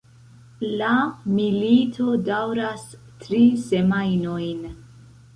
La milito daŭras tri semajnojn.